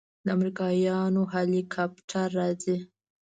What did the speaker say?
د امريکايانو هليكاپټر راځي.